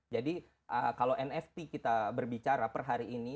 jadi kalau nft kita berbicara per hari ini